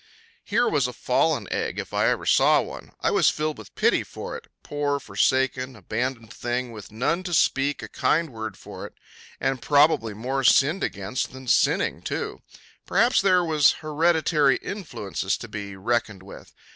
Here was a fallen egg, if I ever saw one. I was filled with pity for it poor, forsaken, abandoned thing, with none to speak a kind word for it! And probably more sinned against than sinning, too. Perhaps there was hereditary influences to be reckoned with.